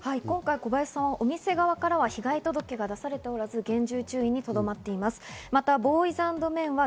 今回、小林さんはお店側から被害届を出されておらず、厳重注意に留まっています。